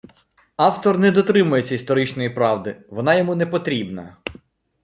Автор не дотримується історичної правди, вона йому не потрібна